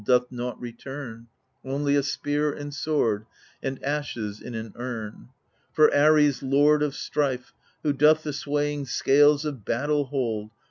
Doth nought return — Only a spear and sword, and ashes in an urn ! For Ares, lord of strife. Who doth the swaying scales of battle hold.